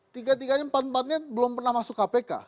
tiga tiganya empat empatnya belum pernah masuk kpk